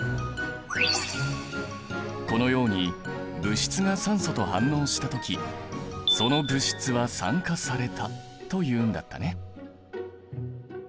このように物質が酸素と反応した時その物質は酸化されたというんだったね。